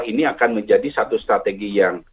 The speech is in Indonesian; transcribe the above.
ini akan menjadi satu strategi yang